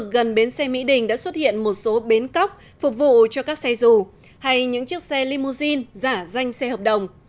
gần bến xe mỹ đình đã xuất hiện một số bến cóc phục vụ cho các xe dù hay những chiếc xe limousine giả danh xe hợp đồng